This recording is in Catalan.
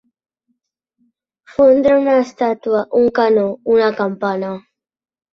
Fondre una estàtua, un canó, una campana.